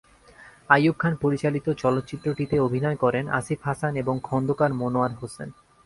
আইয়ুব খান পরিচালিত চলচ্চিত্রটিতে অভিনয় করেন আসিফ হাসান এবং খোন্দকার মনোয়ার হোসেন।